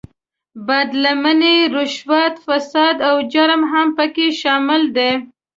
بد لمنۍ، رشوت، فساد او جرم هم په کې شامل دي.